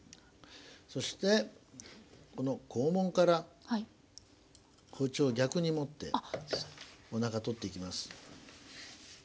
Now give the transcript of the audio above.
そしてこの肛門から包丁を逆に持っておなか取っていきます。